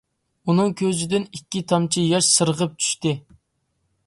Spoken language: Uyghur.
ئۇنىڭ كۆزىدىن ئىككى تامچە ياش سىرغىپ چۈشتى.